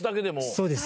そうです。